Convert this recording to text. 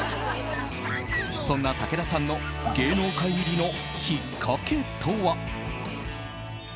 そんな武田さんの芸能界入りのきっかけとは？